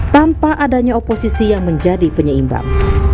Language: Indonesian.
tanpa adanya oposisi yang menjadi penyeimbang